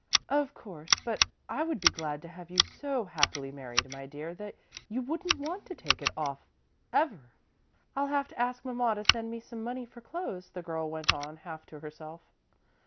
"Of course, but I would be glad to have you so happily married, my dear, that you wouldn't want to take it off ever." "I'll have to ask Mamma to send me some money for clothes," the girl went on, half to herself.